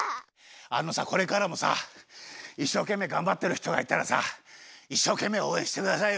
あのさこれからもさいっしょうけんめいがんばってる人がいたらさいっしょうけんめいおうえんしてくださいよ。